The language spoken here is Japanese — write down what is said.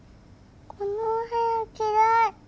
このお部屋嫌い。